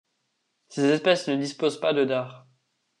Ces espèces ne disposent pas de dard.